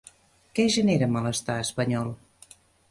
Què genera 'malestar espanyol'?